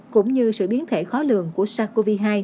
cũng như sự biến thể khó lường của sars cov hai